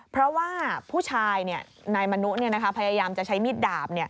เพราะว่าผู้ชายนายมนุพยายามจะใช้มีดดาบ